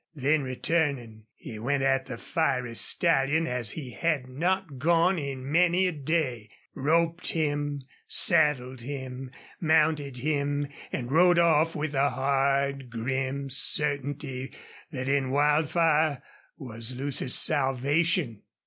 Then returning, he went at the fiery stallion as he had not gone in many a day, roped him, saddled him, mounted him, and rode off with a hard, grim certainty that in Wildfire was Lucy's salvation.